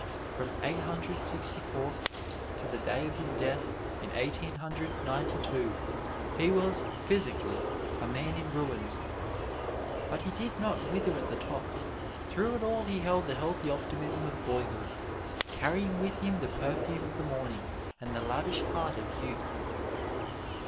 From Eighteen Hundred Sixty four to the day of his death in Eighteen Hundred Ninety two, he was, physically, a man in ruins. But he did not wither at the top. Through it all he held the healthy optimism of boyhood, carrying with him the perfume of the morning and the lavish heart of youth.